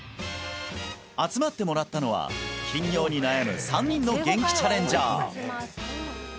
集まってもらったのは頻尿に悩む３人のゲンキチャレンジャー